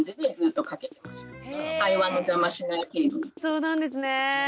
そうなんですね。